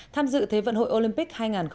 tham dự thế vận hội olympic hai nghìn một mươi sáu